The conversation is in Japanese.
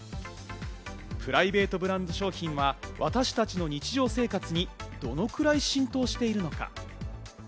プライベートブランド商品は私たちの日常生活にどのくらい浸透しているのか。